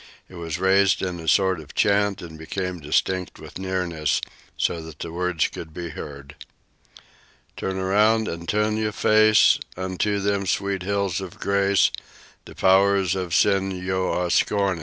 It was raised in a sort of chant and became distinct with nearness, so that the words could be heard: "Tu'n around an' tu'n yo' face Untoe them sweet hills of grace (D' pow'rs of sin yo' am scornin'!).